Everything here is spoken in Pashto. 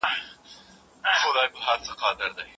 ولي يې نور تفصيل ندی بيان کړی؟